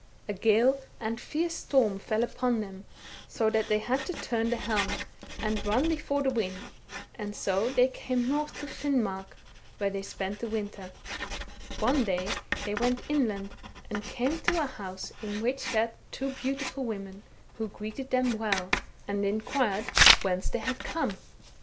A gale and fierce storm fell upon them, so that they had to turn the helm, and run before the wind, and so they came north to Finnmark, where they spent the winter. One day they went inland, and came to a house in which sat two beautiful women, who greeted them well, and 22 THE BOOK OF WERE WOLVES. inquired whence they had come.